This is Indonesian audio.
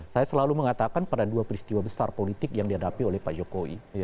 saya selalu mengatakan pada dua peristiwa besar politik yang dihadapi oleh pak jokowi